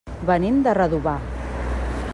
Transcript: Venim de Redovà.